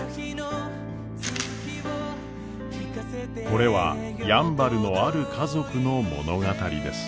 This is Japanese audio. これはやんばるのある家族の物語です。